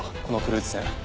このクルーズ船